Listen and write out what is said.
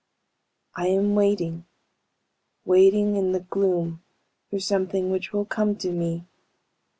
"I am waiting, waiting in the gloom for something which will come to me.